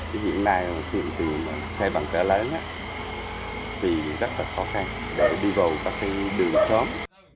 cái chuyển này chuyển từ xe bằng cỡ lớn thì rất là khó khăn để đi vào các cái đường sớm